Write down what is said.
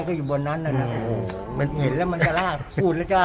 ก็อยู่บนนั้นน่ะโอ้โหมันเห็นแล้วมันจะลากอุ่นแล้วจะ